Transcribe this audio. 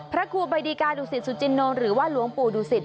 พระครูบัดดีกาดุสิทธิ์สุจินนมหรือว่าหลวงปู่ดุสิทธิ์